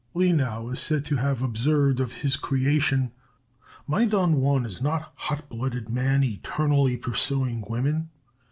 " Lenau is said to have observed of his creation: "My 'Don Juan' is no hot blooded man eternally pursuing women.